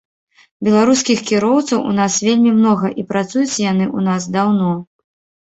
Беларускіх кіроўцаў у нас вельмі многа, і працуюць яны ў нас даўно.